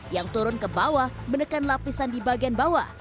yang turun ke bawah menekan lapisan di bagian bawah